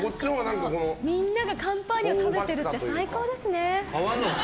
みんながカンパーニュを食べてるって最高ですね。